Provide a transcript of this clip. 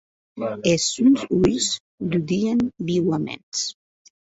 Es sòns uelhs ludien viuaments.